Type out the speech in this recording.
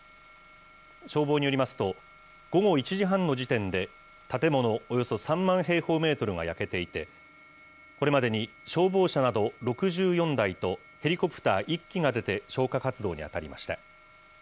消防によりますと、午後１時半の時点で建物およそ３万平方メートルが焼けていて、これまでに消防車など６４台とヘリコプター１機が出て、消火活動に当たりました。